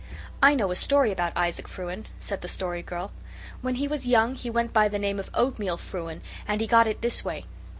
"I know a story about Isaac Frewen," said the Story Girl. "When he was young he went by the name of Oatmeal Frewen and he got it this way.